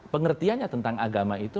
pengertiannya tentang agama itu